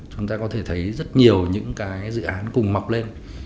chúng ta có thể thấy rất nhiều những cái dự án cùng mọc lên